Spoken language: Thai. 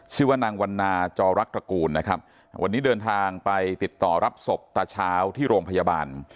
ชื่อว่านางวันนาจอรักตระกูลนะครับวันนี้เดินทางไปติดต่อรับศพตาเช้าที่โรงพยาบาล